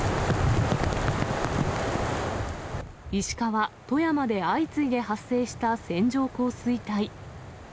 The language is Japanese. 石川、富山で相次いで発生した線状降水帯。